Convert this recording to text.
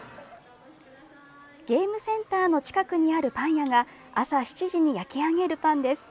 ゲームセンターの近くにあるパン屋が朝７時に焼き上げるパンです。